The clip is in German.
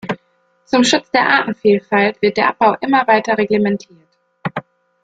Zum Schutz der Artenvielfalt wird der Abbau immer weiter reglementiert.